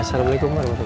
assalamualaikum pak andin